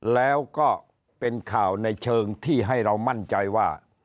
แล้วก็เป็นข่าวในเชิงที่ให้เรามั่นใจว่า